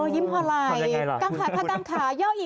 กางขาพระกางขาเย้าอี